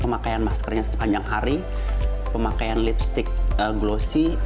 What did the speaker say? pemakaian maskernya sepanjang hari pemakaian lipstick glosi